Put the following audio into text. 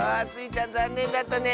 ちゃんざんねんだったね。